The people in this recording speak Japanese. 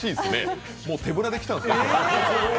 手ぶらで来たんですか。